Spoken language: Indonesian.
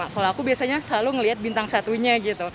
kalau aku biasanya selalu melihat bintang satu nya